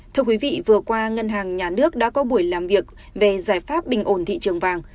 thưa quý vị vừa qua ngân hàng nhà nước đã có buổi làm việc về giải pháp bình ổn thị trường vàng